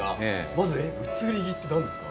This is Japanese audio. まずはえっ「移り気」って何ですか？